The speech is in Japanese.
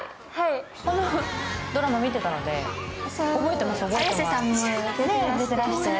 このドラマ見てたので、覚えてます、覚えてます。